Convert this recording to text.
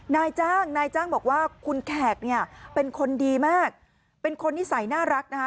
นายจ้างนายจ้างบอกว่าคุณแขกเนี่ยเป็นคนดีมากเป็นคนนิสัยน่ารักนะคะ